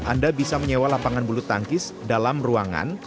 anda bisa menyewa lapangan bulu tangkis dalam ruangan